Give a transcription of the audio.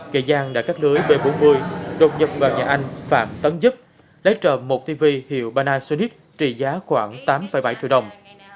kẻ giang đã cắt lưới b bốn mươi đột nhập vào nhà anh phạm tấn dức lấy trộm một tv hiệu panasonic trị giá khoảng tám bảy triệu đồng